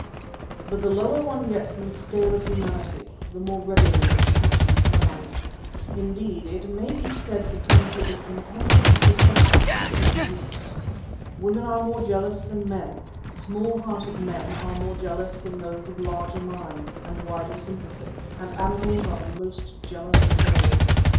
But the lower one gets in the scale of humanity, the more readily this passion thrives; indeed, it may be said to come to its intensest perfection in brutes. Women are more jealous than men, small hearted men are more jealous than those of larger mind and wider sympathy, and animals are the most jealous of all.